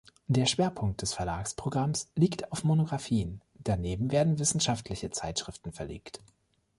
Der Schwerpunkt des Verlagsprogramms liegt auf Monographien, daneben werden wissenschaftliche Zeitschriften verlegt.